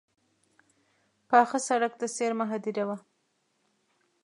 پاخه سړک ته څېرمه هدیره وه.